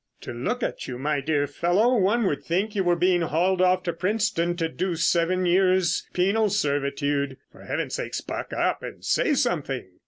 "To look at you, my dear fellow, one would think you were being hauled off to Princetown to do seven years penal servitude. For heaven's sake buck up and say something."